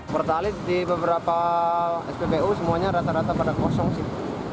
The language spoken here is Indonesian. pertalit di beberapa spbu semuanya rata rata pada kosong sih